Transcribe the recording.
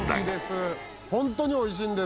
ホントに美味しいんです。